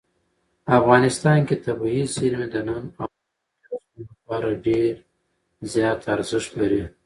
افغانستان کې طبیعي زیرمې د نن او راتلونکي نسلونو لپاره ډېر زیات ارزښت لري.